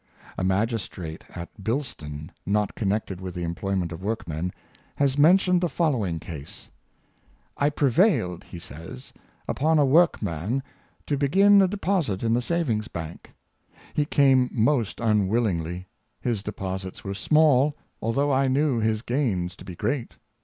A magistrate at Bilston, not connected with the em ployment of workmen, has mentioned the following case: " I prevailed," he says, " upon a workman to be gin a deposit in the savings bank. He came most un willingly. His deposits were small, although I knew his gains to be great.